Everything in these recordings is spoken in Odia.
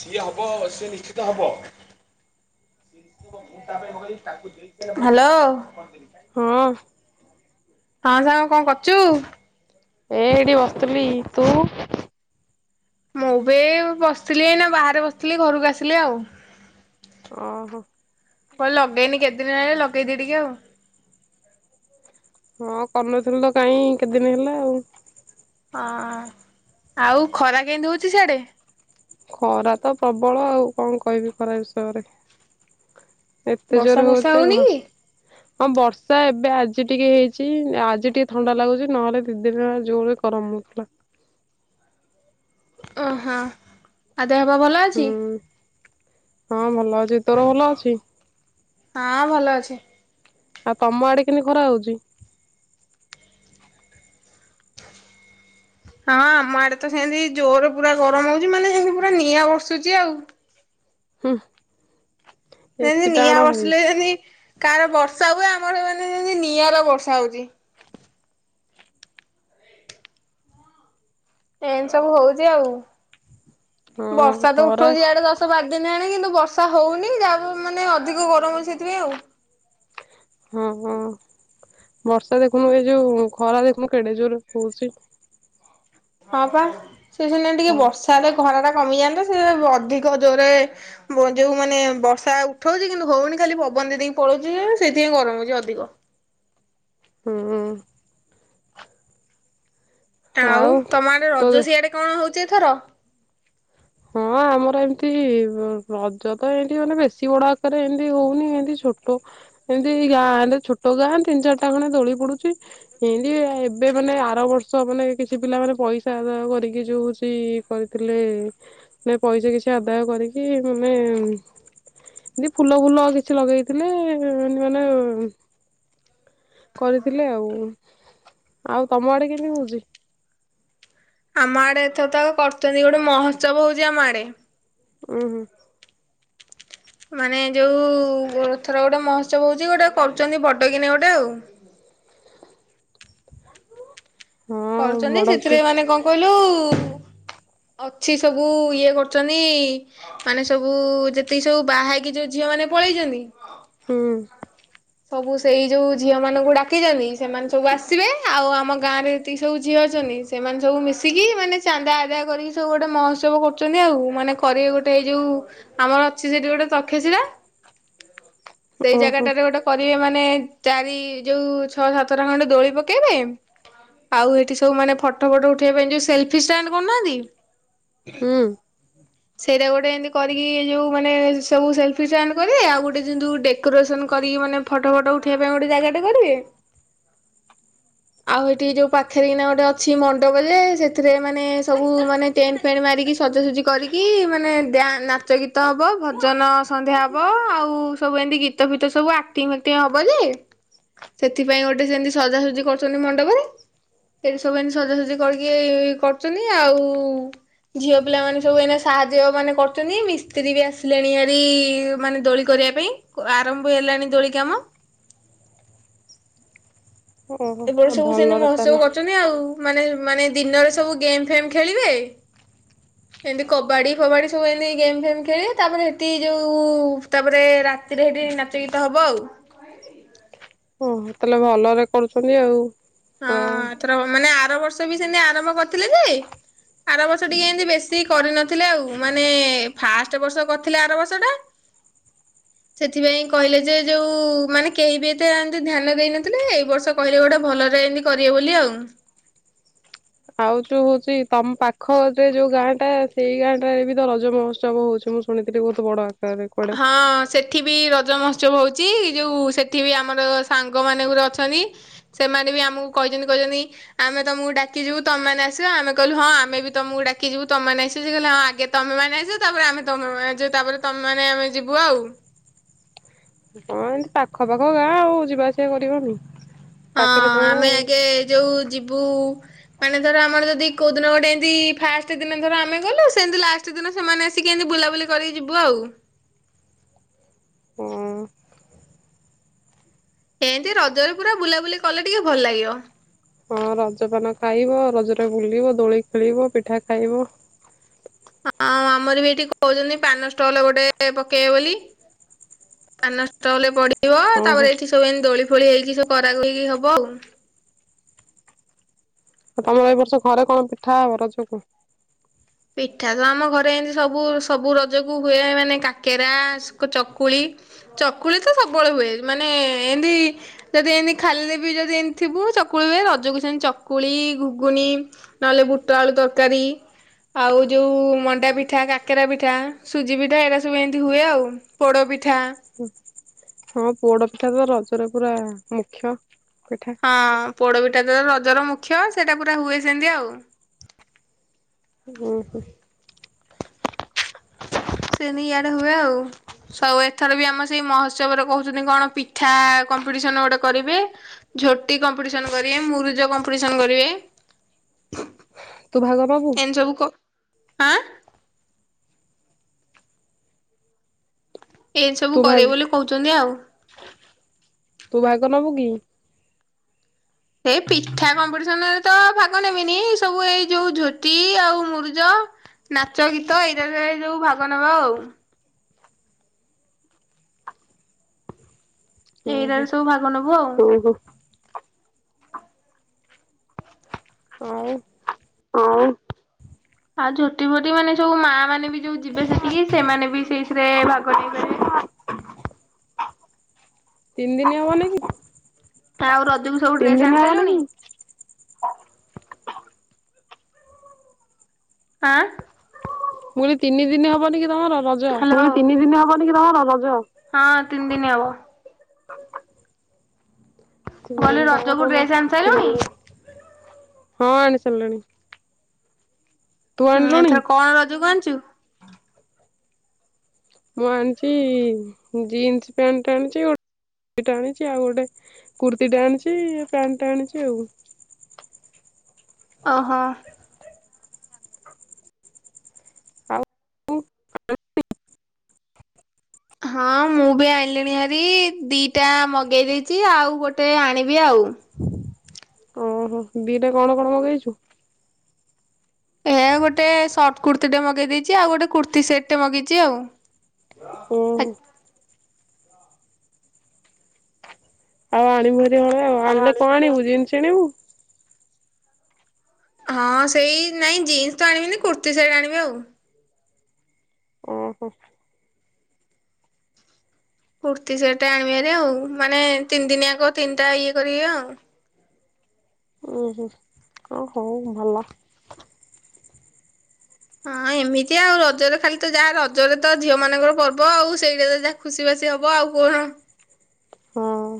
ସିଏ ହବ ସିଏ ନିଶ୍ଚିତ ହବ। ହ୍ୟାଲୋ। ହୁଁ। ହଁ ସାଙ୍ଗ କଣ କରୁଚୁ। ଏ ଏଇଠି ବସିଥିଲି ତୁ? ମୁଁ ବି ଏଇ ବସିଥିଲି ଏଇନା ବାହାରେ ବସିଥିଲି ଘରକୁ ଆସିଲି ଆଉ। ଓହୋ। କଲି ଲଗେଇନି କେତେ ଦିନ ହେଲାଣି ଲଗେଇ ଦିଏ ଟିକେ ଆଉ। ହଁ କରିନଥିଲୁ ତ କାଇଁ କେତେଦିନ ହେଲା ଆଉ। ହଁ ଆଉ ଖରା କେନ୍ତି ହୋଉଚି ସିଆଡ଼େ? ଖରା ତ ପ୍ରବଳ ଆଉ କଣ କହିବି ଖରା ବିଷୟରେ। ଏତେ ବର୍ଷା ଜୋରେ ଫର୍ଷା ହୋଉଚି ହଉନି ଘ କି? ହଁ ବର୍ଷା ଏବେ ଆଜି ଟିକେ ହେଇଛି ଆଜି ଟିକେ ଥଣ୍ଡା ଲାଗୁଛି ନହେଲେ ଦି ଦିନ ହେଲା ଜୋରେ ଗରମ ହୋଉଥିଲା। ଓ ହଁ ଆ ଦେହପା ଭଲ ହୁଁ ଅଛି? ହଁ ଭଲ ଅଛି ତୋର ଭଲ ଅଛି? ହଁ ଭଲ ଅଛି। ଆ ତମ ଆଡ଼େ କେମି ଖରା ହୋଉଚି? ହଁ ଆମ ଆଡ଼େ ତ ସେନ୍ତି ଜୋରେ ପୁରା ଗରମ ହୋଉଚି ମାନେ ଯେମିତି ପୁରା ନିଆଁ ବର୍ଷୁଛି ଆଉ। ହୁଁ। ଯେମିତି ଏସି ଟା ନିଆଁ ଆଣ ହେରି ବର୍ଷିଲେ ଯେମିତି କାହାର ବର୍ଷା ହୁଏ ଆମର ମାନେ ଯେମିତି ନିଆଁର ବର୍ଷା ହଉଚି। ଏନ ସବୁ ହୋଉଚି ଆଉ ହଁ ବର୍ଷା ତ ଖରା ଉଠଉଛି ଇଆଡ଼େ ଦଶ ବାର ଦିନ ହେଲାଣି କିନ୍ତୁ ବର୍ଷା ହୋଉନି ଯାହା ପ ମାନେ ଅଧିକ ଗରମ ସେଇଥିପାଇଁ ଆଉ। ହଁ ହଁ ବର୍ଷା ଦେଖୁନୁ ଏଇ ଯୋଉ ଖରା ଦେଖୁନୁ କେଡ଼େ ଜୋରେ ହୋଉଚି। ହଁ ପା ସେ ସିନା ଟିକେ କଣ ବର୍ଷା ହେଲେ ଖରାଟା କମିଯାଆନ୍ତା ସେ ଅଧିକ ଜୋରେ ବ ଯୋଉ ମାନେ ବର୍ଷା ଉଠଉଛି କିନ୍ତୁ ହୋଉନି ଖାଲି ପବନ ଦେଇ ଦେଇକି ପଳଉଛି ଯେ ସେଇଥିପାଇଁ ଗରମ ହୋଉଚି ଅଧିକ। ହୁଁ। ଆଉ ତମ ଆଡ଼େ ରଜ ତୋ ସିଆଡ଼େ କଣ ହୋଉଚି ଏଥର? ହଁ ଆମର ଏମିତି ରଜ ତ ଏନ୍ତି ମାନେ ବେଶୀ ବଡ଼ ଆକାରରେ ଏମତି ହୋଉନି ଏମିତି ଛୋଟ ଏମିତି ଏଇ ଗାଁ ଛୋଟ ଗାଁ ତିନି ଚାରିଟା ଖଣ୍ଡେ ଦୋଳି ପଡ଼ୁଛି ଏନ୍ତି ଆ ଏ ବେ ମାନେ ଆର ବର୍ଷ ମାନେ କିଛି ପିଲା ମାନେ ପଇସା ଆଦାୟ କରିକି ଯୋଉ ହୋଉଚି କରିଥିଲେ ନେ ପଇସା କିଛି ଆଦାୟ କରିକି ମାନେ ଏତି ଫୁଲ ଫୁଲ କିଛି ଲଗେଇଥିଲେ ଏମିତି ମାନେ କରିଥିଲେ ଆଉ ଆଉ ତମ ଆଡ଼େ କେମିତି ହୋଉଚି? ଆମ ଆଡ଼େ ଏଥର ତ କରୁଛନ୍ତି ଗୋଟେ ମହୋତ୍ସବ ହୋଉଚି ଆମ ଆଡ଼େ। ଉଁ ହୁ। ମାନେ ଯୋଉ ଏଥର ଗୋଟେ ମହୋତ୍ସବ ହୋଉଚି ଗୋଟେ କରୁଛନ୍ତି ବଡ଼ କିିନେ ଗୋଟେ ଆଉ। ହଁ କରୁଛନ୍ତି ବଡ କି ସେଥିରେ ମାନେ କଣ କହିଲୁ ଅଛି ସବୁ ଇଏ କରୁଚନ୍ତି। ମାନେ ସବୁ ଯେତିକି ସବୁ ବାହା ହେଇକି ଯୋଉ ଝିଅ ମାନେ ପଳେଇଚନ୍ତି। ହୁଁ। ସବୁ ସେଇ ଯୋଉ ଝିଅମାନଙ୍କୁ ଡ଼ାକିଛନ୍ତି ସେମାନେ ସବୁ ଆସିବେ ଆଉ ଆମ ଗାଁରେ ଯେତିକି ସବୁ ଝିଅ ଅଛନ୍ତି ସେମାନେ ସବୁ ମିଶିକି ମାନେ ଚାନ୍ଦା ଆଦାୟ କରିକି ସବୁ ଗୋଟେ ମହୋତ୍ସବ କରୁଛନ୍ତି ଆଉ ମାନେ କରିବେ ଗୋଟେ ଏଇ ଯୋଉ ଆମର ଅଛି ସେଇଠି ଗୋଟେ ତକ୍ଷଶିଳା ସେଇ ଓହୋ ଜାଗାଟାରେ ଗୋଟେ କରିବେ ମାନେ ଚାରି ଯୋଉ ଛଅ ସାତଟା ଖଣ୍ଡେ ଦୋଳି ପକେଇବେ। ଆଉ ଏଇଠି ସବୁ ମାନେ ଫଟ ଫଟ ଉଠେଇବା ପାଇଁ ଯୋଉ ସେଲଫି ଷ୍ଟାଣ୍ଡ କରୁନାହାନ୍ତି ହୁଁ। ସେଇଟା ଗୋଟେ ଏନ୍ତି କରିକି ଏ ଯୋଉ ମାନେ ସବୁ ସେଲ୍ଫି ଷ୍ଟାଣ୍ଡ କରିବେ ଆଉ ଗୋଟେ [unintelligible] ଡ କରିକି ମାନେ ଫଟୋ ଫଟ ଉଠେଇବା ପାଇଁ ଗୋଟେ ଜାଗାଟେ କରିବେ। ଆଉ ସେଠି ଯୋଉ ପାଖରେ କି ନା ଗୋଟେ ଅଛି ମଣ୍ଡପ ଯେ ଏଥିରେ ମାନେ ସବୁ ମାନେ ଟେଣ୍ଟ ଫେଣ୍ଟ ମାରିକି ସଜାସଜିି କରିକି ମାନେ ନାଚ ଗୀତ ହବ ଭଜନ ସନ୍ଧ୍ୟା ହବ ଆଉ ସବୁ ଏମିତି ଗୀତ ଫ ସବୁ ଆକ୍ଟିଂ ଫାକ୍ଟିଂ ହବ ଯେ ସେଥିପାଇଁ ଗୋଟେ ସେମିତି ସଜାସଜି କର ମଣ୍ଡପରେ ସେ ସବୁ ସଜାସଜି କରିକି କରୁଛନ୍ତି ଆଉ ଝିଅ ପିଲାମାନୋନେ ସବୁ ଏ ସାହାଯ୍ୟ ମାନେ କରୁଛନ୍ତି ମିସ୍ତ୍ରୀ ବି ଆସିଲେଣି ଭାରି ମାନେ ଦୋଳି କରିବା ପାଇଁ। ଆରମ୍ଭ ହେଲାଣି ଦୋଳି କାମ। ଏବେଟ ଓହୋ ସବୁ ସେନି ଭଲରେ ତାହେଲେ ମହୋତ୍ସବ କରୁଛନ୍ତି। ଆଉ ମାନେ ମାନେ ଦିନରେ ସବୁ ଗେମ୍ ଫେମ ଖେଳିବେ। ଏମିତି କବାଡି ଫବାଡି ସବୁ ଏମିତି ଗେମ୍ ଫେମ ଖେଳେ ତାପରେ ସେଠି ଯୋଉ ତାପରେ ରା ରାତିରେ ହେଇଠି ନାଚ ଗୀତ ହେବ ଆଉ। ଓ ତାହଲେ ଭଲରେ କରୁଛନ୍ତି ଆଉ। ହଁ ଏଥର ମାନେ ଆର ବର୍ଷ ବି ସେନି ଆରମ୍ଭ କରିଥିଲେ ଯେ ଆର ବର୍ଷ ଟିକେ ଏମତି ବେଶୀ କରିନଥିଲେ ଆଉ ମାନେ ଫାଷ୍ଟ ବର୍ଷ କରିଥିଲେ ଆର ବର୍ଷ ଟା ସେଥିପାଇଁ କହିଲେ ଯେ ଯୋଉ ମାନେ କେହି ବି ଏତେ ଏମତି ଧ୍ୟାନ ଦେଇନଥିଲେ ଏଇ ବର୍ଷ କହିଲେ ଗୋଟେ ଭଲ ଏମିତି କରିବେ ବୋଲି ଆଉ ଆଉ ଯୋଉ ହଉଛି ତମ ପାଖରେ ଯୋଉ ଗାଁ ଟା ସେଇ ଗାଁ ଟାରେ ବି ତ ରଜ ମହୋତ୍ସବ ହଉଛି ମୁଁ ଶୁଣିଥିଲି ବହୁତ ବଡ ଆ ହଁ ସେ ସେଠି ବି ରଜ ମହୋତ୍ସବ ହଉଛି ଯୋଉ ସେଠି ବି ଆମର ସାଙ୍ଗ ମାନେ ଗୁରା ଅଛନ୍ତି। ସେମାନେ ବି ଆମକୁ କହିଛନ୍ତି କହିଛନ୍ତି। ଆମେ ତମକୁ ଡାକିିବୁ ତମ ଆସ ଆମେ କହିଁଲୁ ହଁ ଆମେ ବି ତମକୁ ଡାି ଯିବୁ ତମମାନେ ଆସିବ ସେ କହିଲ ହଁ ଆଗେ ତମେମାନେ ଆସିବ ତାପରେ ଆମେ ତମେ ଆମେ ତାପରେ ତମେ ମାନେ ଆମେ ଯିବୁ ଆଉ କଣ ଏମିତି ପାଖ ପାଖ ଗାଁ ଆଉ ଯିବା ଆସିବା କରିବନି। ହଁ ପାଖରେ ସାଙ୍ଗ ଆମେ ଆଉ ଆଗେ ଯୋଉ ଯିବୁ ମାନେ ଧର ଆମର ଯଦି କୋଉ ଦିନ ଗୋଟେ ଏମତି ଫାଷ୍ଟ ଦିନ ଧର ଆମେ ଗଲୁ ସେମତି ଲାଷ୍ଟ ପ୍ରତିଦିନ ସେମାନେ ଆସିକି ଏମିତି ବୁଲାବୁଲି କରିକି ଯିବୁ ଆଉ ହଁ। ଏମତି ରଜରେ ପୁରା ବୁଲାବୁଲି କଲେ ଟିକେ ଭଲ ଲାଗିବ। ହଁ ରଜପାନ ଖାଇବ ରଜରେ ବୁଲିବ ଦୋଳି ଖେଳିବ ପିଠା ଖାଇବ। ହଁ ଆମର ବି ଏଇଠି କହୁଛନ୍ତି ପାନ ଷ୍ଟଲ ଗୋଟେ ପକେଇବ ବୋଲି। ଆ ନଷ୍ଟ ହେଲେ ପଡିବ ଓହୋ ତାପରେ ଏଠି ସବୁ ଏ ଦୋଳି ଫୋଳି ହେଇକି ସବ କରାଗକୁ ହେଇକି ହବ ଆଉ ଆଉ ତମର ଏଇ ବର୍ଷ ଘରେ କଣ ପିଠା ହବ ରଜକୁ? ପିଠା ତ ଆମ ଘରେ ଏମତି ସବୁ ସବୁ ରଜକୁ ହୁଏ ମାନେ କାକେରା ଚକୁଳି ଚକୁଳି ତ ସବୁବେଳେ ହୁଏ ମାନେ ଏମିତି ଯଦି ଏମିତି ଖାଲିରେ ବି ଯଦି ଏମିତି ଥିବୁ ଚକୁଳି ହୁଏ ରଜକୁ ସେମିତି ଚକୁଳି ଘୁଗୁଣି। ନହେଲେ ବୁଟ ଆଳୁ ତରକାରୀ। ଆଉ ଯୋଉ ମଣ୍ଡା ପିଠା କାକେରା ପିଠା ସୁଜି ପିଠା ଏଇଟା ସବୁ ଏମିତି ହୁଏ ଆଉ ପୋଡ଼ପିଠା। ହୁଁ। ହଁ ପୋଡ ପିଠା ତ ରଜରେ ପୁରା ମୁଖ୍ୟ ପିଠା। ହଁ ପୋଡପିଠା ତ ରଜର ମୁଖ୍ୟ ସେଇଟା ପୁରା ହୁଏ ସେମିତି ଆଉ। ଉଁ ହୁଁ। ସେନି ଇଆଡେ ହୁଏ ଆଉ। ସବୁ ଏଥର ବି ଆମ ସେଇ ମହୋତ୍ସବରେ କହୁଚନ୍ତି କଣ ପିଠା କମ୍ପିଟିସନ ଗୋଟେ କରିବେ। ଝୋଟି କମ୍ପିଟିସନ କରିବେ ମୁରୁଜ କମ୍ପିଟିସନ କରିବେ। ତୁ ଭାଗ ନବୁ ଏନ୍ତି ସବୁ କ -ଆଁ ଏମିତି ତୁ ସବୁ ଭାଗ କରିବେ ବୋଲି କହୁଚନ୍ତି ଆଉ। ତୁ ଭାଗ ନବୁ କି? ଏଇ ପିଠା କମ୍ପିଟିସନରେ ତ ଭାଗ ନେବିନି ଏସବୁ ଏଇ ଯଉ ଝୋଟି ଆଉ ମୁରୁଜ ନାଚ ଗୀତ ଏଇରାରେ ଯଉ ଭାଗ ନବା ଆଉ। ଓହୋ। ଏଇରାରେ ସବୁ ଭାଗ ନବୁ ଆଉ। ଆଉ ଆଉ -ଆଉ ଝୋଟି ଫୋଟି ମାନେ ସବୁ ମା ମାନେ ବି ଯଉ ଯିବେ ସେଠିକି ସେମାନେ ବି ସେଇ [unintelligible] ତିନି ଦିନ ହବନି କି? ଆଉ ରଜକୁ ସବୁ ଡ୍ରେସ୍ ଆଣି ସାଇଲୁଣି? ଆଁ ମୁଁ କହିଲି ତିନି ଦିନ ହବନି କି ତମର ରଜ? [unintelligible] ମୁଁ ତିନି କହିଲି ଦିନ ତ ହବ ରଜ କୁ ତମେ ଡ୍ରେସ୍ ଆଣି ସାଇଲୁଣି? ହଁ ଆଣି ସାରିଲିଣି। ତୁ ହୁଁ ଆଣିଲୁଣି? ଏଥର କଣ ରଜ କୁ ଆଣିଚୁ? ମୁଁ ଆଣିଚି ଜିନ୍ସ୍ ପ୍ୟାଣ୍ଟ ଆଣିଚି ଗୋଟ୍ ଟେ ଆଣିଚି ଆଉ ଗୋଟେ କୁର୍ତ୍ତିୀ ଟେ ଆଣିଚି ପ୍ୟାଣ୍ଟ୍ ଟେ ଆଣିଚି ଆଉ। ଓହୋ। ହଁ ମୁଁ ବି ଆଇଁଲିଣି ହାରି ଦି ଟା ମଗେଇ ଦେଇେଚି ଆଉ ଗୋଟେ ଆଣିବି ଆଉ। ଆଉ ଓହୋ ଦି ଟା କଣ କଣ ମଗେଇଚୁ? ଏ ଗୋଟେ ସର୍ଟ କୁର୍ତ୍ତି ଟେ ମଗେଇ ଦେଇଚି ଆଉ ଗୋଟେ କୁର୍ତ୍ତୀ ସେଟ୍ ଟେ ମଗେଇଚି ଆଉ। ଓହୋ। ଆଉ ଆଣିବୁ ହାରି ହଳେ ଆଉ ଆଣିଲେ କଣ ଆଣିବୁ ଜିନ୍ସ୍ ଆଣିବୁ? ହଁ ସେଇ ନାଇଁ ଜିନ୍ସ୍ ତ ଆଣିବିନି କୁର୍ତ୍ତୀ ସେଟ୍ ଆଣିବି ଆଉ। ଓ ହୋ। କୁର୍ତ୍ତୀ ସେଟ୍ ଟେ ଆଣିବି ହାରି ଆଉ ମାନେ ତିନି ଦିନିଆକ ତିନିଟା ଇଏ କରିବି ଆଉ। ଉଁ- ହୁ ହଉ ଭଲ। ହଁ ଏମିତି ଆଉ ରଜରେ ଖାଲି ତ ଯା ରଜରେ ତ ଝିଅ ମାନଙ୍କର ପର୍ବ ଆଉ ସେଇଟା ତ ଯା ଖୁସି ବାସି ହବ ଆଉ କଣ ହଁ।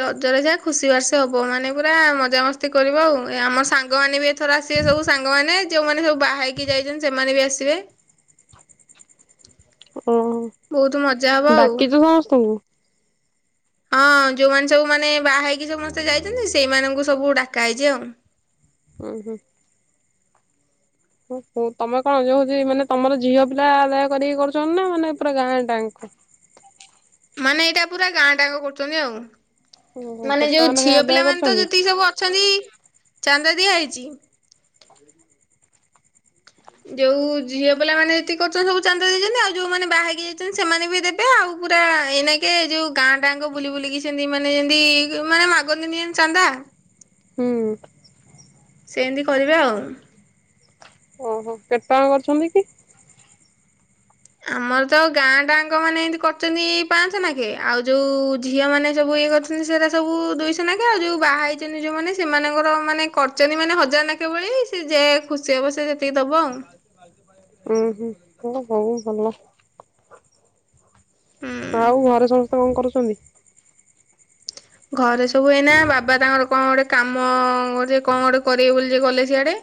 ରଜରେ ଯାହା ଖୁସି ବାସି ହବ ମାନେ ପୁରା ମଜାମସ୍ତି କରିବ ଆଉ ଆମ ସାଙ୍ଗମାନେ ବି ଏ ଏଥର ଆସିବେ ସବୁ ସାଙ୍ଗମାନେ ଯଉମାନେ ସବୁ ବାହା ହେଇକି ଯାଇଚନ୍ତି ସେମାନେ ବି ଆସିବେ। ଓ ବହୁତ ମଜା ହବ ଆଉ। ଡାକିଚୁ ସମସ୍ତଙ୍କୁ? ହଁ ଯଉମାନେ ସବୁ ମାନେ ବାହା ହେଇକି ସମସ୍ତେ ଯାଇଚନ୍ତି ସେଇମାନଙ୍କୁ ସବୁ ଡାକା ହେଇଚି ଆଉ। ଉଁ-ହୁଁ। ତମେ କଣ ଯଉ ହଉଚି ମାନେ ତମର ଝିଅ ପିଲା ଆଦାୟ କରିକି କରୁଚନ୍ତି ନା ମାନେ ପୁରା ଗାଁ ଟା ଙ୍କ? ମାନେ ଏଇଟା ପୁରା ଗାଁ ଟା ଙ୍କ କରୁଚନ୍ତି ଆଉ। ଓହୋ ମାନେ କେତେ ଟଙ୍କା ଯଉ ଲେଖାଏଁ ଝିଅ ଆଦାୟ ପିଲା ମାନ ତ କରୁଛନ୍ତି? ଯେତିକି ସବୁ ଅଛନ୍ତି ଚାନ୍ଦା ଦିଆ ହେଇଚି ଯଉ ଝିଅ ପିଲାମାନେ ଯେତିକି କରୁଚନ୍ତି ସବୁ ଚାନ୍ଦା ଦେଇଚନ୍ତି ଆଉ ଯଉମାନେ ବାହା ହେଇକି ଯାଇଚନ୍ତି ସେମାନେ ବି ଦେ ଏ ଆଉ ପୁରା ଏଇନା କେ ଯଉ ଗାଁ ଟା ଙ୍କ ବୁଲି ବୁଲିକି ସେମିତି ମାନେ ଯେମିତି ମାନେ ମାଗନ୍ତି ନି ଚାନ୍ଦା। ହୁଁ। ସେମିତି କରିବା ଆଉ। ଓହୋ କେତେଜଣ କରୁଛନ୍ତି କି? ଆମର ତ ଗାଁ ଟା ଜାଙ୍ଗ ମାନେ ଏମିତି କରିୁଛନ୍ତି ପାଞ୍ଚ ଲାଖେ ଆଉ ଯୋଉ ଝିଅ ମାନେ ସବୁ ଇଏ କରୁଛ ସେରା ସବୁ ଦୁଇଶ ନାଖେ ଆଉ ଯୋଉ ବାହା ହେଇଛନ୍ତି ଯୋଉମାନେ ସେମାନଙ୍କର ମାନେ କରିଛନ୍ତି ମାନେ ହଜାର ନା କେବେଳି ଏଇ ଯେ ଖୁସି ହେବ ସେ ଯେତିକି ଦବ ଆଉ। ଉୁଁ ହୁଁ ସେ ସବୁ ଭଲ। ହୁଁ। ଆଉ ଘରେ ସମସ୍ତେ କଣ କରୁସନ୍ତି? ଘରେ ସବୁ ଏଇନା ବାବା ତାଙ୍କର କଣ ଗୋଟେ କାମ ଗୋଟେ କ କରିବେ ବୋଲି ଗଲେ ସିଆଡେ।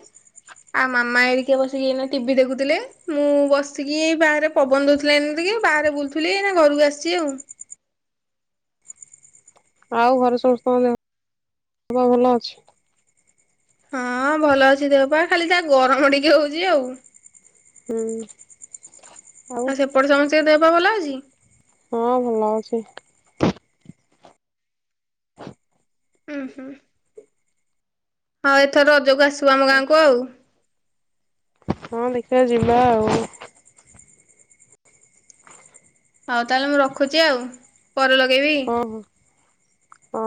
ଆଉ ମାମା ଏରିକି ବସିକି ଏଇନା ଟିଭିି ଦେଖୁଥିଲେ। ମୁଁ ବସିକି ଏଇ ବାହାରେ ପବନ ଦଉଥିଲାି ଏମିତି କି ବାହାରେ ବୁଲୁଥିଲି ନା ଘରକୁ ଆସିଛି ଆଉ। ଆଉ ଘରେ ସମସ୍ତଙ୍କ ଦେହ ପା ଭଲ ଅଛି? ହଁ ଭଲ ଅଛି ଦେହ ପା ଖାଲି ଯାହା ଗରମ ଟିକେ ହଉଛି ଆଉ। ହୁଁ। ଆଉ ସେପଟେ ସମସ୍ତଙ୍କ ଦେହ ପା ଭଲ ଅଛି? ହଁ ଭଲ ଅଛି। ଉ ହୁଁ ହଁ ଏଥର ରଜକୁ ଆସିବୁ ଆମ ଗାଁକୁ ଆଉ। ହଁ ଦେଖିବା ଯିବା ଆଉ। ହଉ ତାହେଲେ ମୁଁ ରଖୁଛି ଆଉ ପରେ ଲଗେଇବି। ଓହୋ ହ।